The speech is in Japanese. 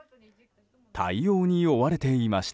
対応に追われていました。